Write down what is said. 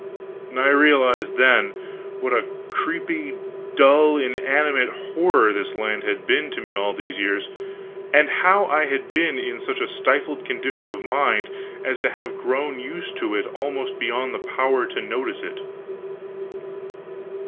I realized, then, what a creepy, dull, inanimate horror this land had been to me all these years, and how I had been in such a stifled condition of mind as to have grown used to it almost beyond the power to notice it.